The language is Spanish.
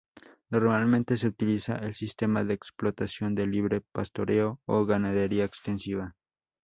Normalmente se utiliza el sistema de explotación de libre pastoreo o ganadería extensiva.